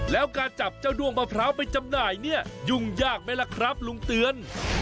แล้วการจับเจ้าด้วงมะพร้าวไปจำหน่ายเนี่ยยุ่งยากไหมล่ะครับลุงเตือน